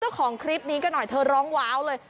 เจ้าของคลิปนี้ก็หน่อยเธอร้องว้าวเลย